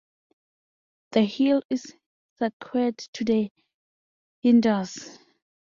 The hill is sacred to the Hindus.